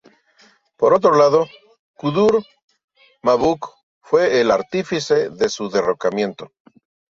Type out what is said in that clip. Por otro lado, Kudur-Mabuk fue el artífice de su derrocamiento.